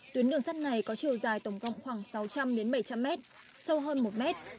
tuyến đường sắt này có chiều dài tổng cộng khoảng sáu trăm linh bảy trăm linh mét sâu hơn một mét